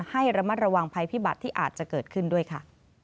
ให้ระมัดระวังภัยพิบัติที่อาจจะเกิดขึ้นด้วยค่ะ